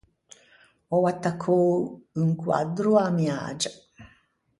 Ò attaccou un quaddro a-a miagia.